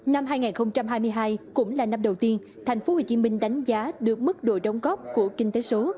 năm hai nghìn hai mươi hai cũng là năm đầu tiên tp hcm đánh giá được mức độ đóng góp của kinh tế số